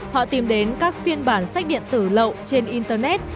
họ tìm đến các phiên bản sách điện tử lậu trên internet